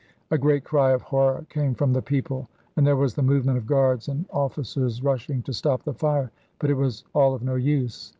A great cry of horror came from the people, and there was the movement of guards and officers rushing to stop the fire; but it was all of no use.